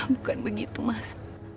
bukan begitu mas